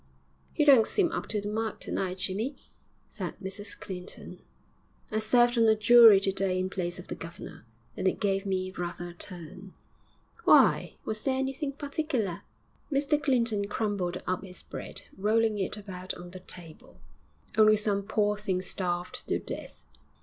'You don't seem up to the mark to night, Jimmy,' said Mrs Clinton. 'I served on a jury to day in place of the governor, and it gave me rather a turn.' 'Why, was there anything particular?' Mr Clinton crumbled up his bread, rolling it about on the table. 'Only some poor things starved to death.'